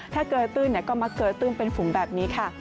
ถ้าเกยตื้นก็มาเกยตื้นเป็นฝูงแบบนี้ค่ะ